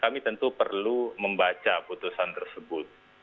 kami tentu perlu membaca putusan tersebut